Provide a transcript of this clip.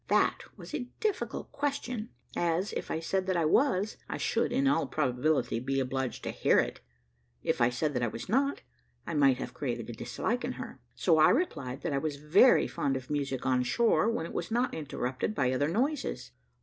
That was a difficult question, as, if I said that I was, I should in all probability be obliged to hear it; if I said that I was not, I might have created a dislike in her. So I replied that I was very fond of music on shore, when it was not interrupted by other noises.